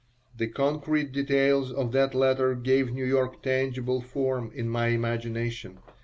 The concrete details of that letter gave New York tangible form in my imagination.